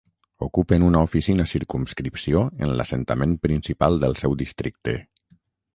Ocupen una oficina circumscripció en l'assentament principal del seu districte.